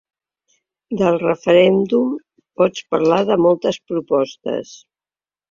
Del referèndum pots parlar de moltes propostes.